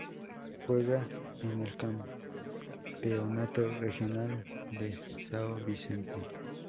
Juega en el campeonato regional de São Vicente.